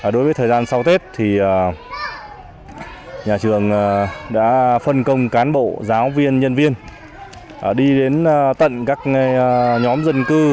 đối với thời gian sau tết thì nhà trường đã phân công cán bộ giáo viên nhân viên đi đến tận các nhóm dân cư